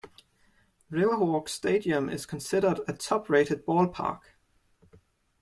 Riverwalk Stadium is considered a top rated ballpark.